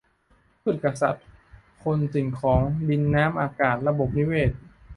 พืชกะสัตว์ คน สิ่งของ ดิน น้ำ อากาศ ระบบนิเวศ